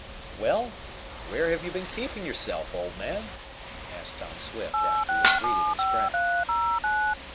"Well, where have you been keeping yourself, old man?" asked Tom Swift, after he had greeted his friend.